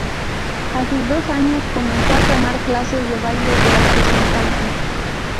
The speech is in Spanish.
A sus dos años, comenzó a tomar clases de baile durante su infancia.